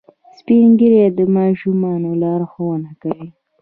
سپین ږیری د ماشومانو لارښوونه کوي